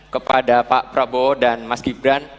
kepada pak prabowo dan mas gibran